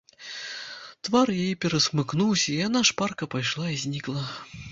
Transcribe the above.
Твар яе перасмыкнуўся, і яна шпарка пайшла і знікла.